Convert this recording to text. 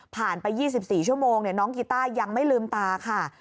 ไป๒๔ชั่วโมงน้องกีต้ายังไม่ลืมตาค่ะ